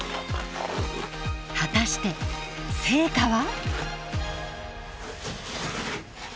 果たして成果は？